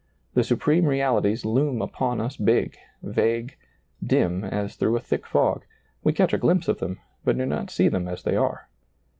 The supreme realities loom upon us big, vague, dim, as dirou^ a thick fog ; we catch a glimpse of them, but do not see them as tbey are.